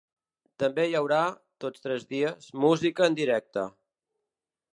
També hi haurà, tots tres dies, música en directe.